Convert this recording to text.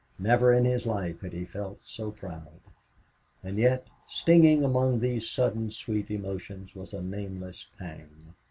Never in his life had he felt so proud. And yet, stinging among these sudden sweet emotions was a nameless pang.